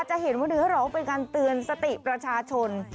จะเห็นว่าเนื้อร้องเป็นการเตือนสติประชาชน